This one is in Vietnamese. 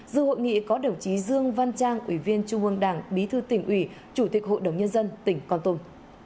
dự hội nghị có đồng chí dương văn trang ủy viên trung ương đảng bí thư tỉnh ủy chủ tịch hội đồng nhân dân tỉnh con tum